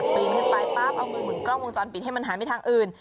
ปีนขึ้นไปปั๊บเอามือหมุนกล้องวงจรปิดให้มันหันไปทางอื่น